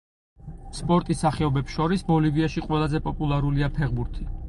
სპორტის სახეობებს შორის, ბოლივიაში ყველაზე პოპულარულია ფეხბურთი.